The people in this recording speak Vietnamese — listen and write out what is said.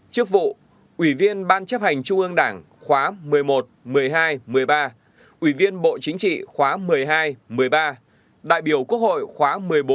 trước vụ ủy viên ban chấp hành trung ương đảng khóa một mươi một một mươi hai một mươi ba ủy viên bộ chính trị khóa một mươi hai một mươi ba đại biểu quốc hội khóa một mươi bốn